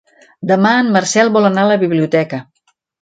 Demà en Marcel vol anar a la biblioteca.